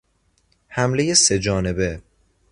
حملهی سه جانبه